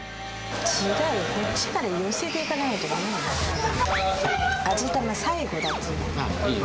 違う、こっちから寄せていかないとだめなんだよ。